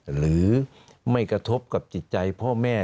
หรือไม่กระทบกับจิตใจพ่อแม่